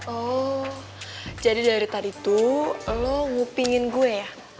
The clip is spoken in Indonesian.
oh jadi dari tadi tuh lo ngupingin gue ya